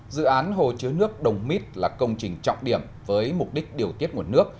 dự án hồ chứa nước đồng mít là công trình trọng điểm với mục đích điều tiết nguồn nước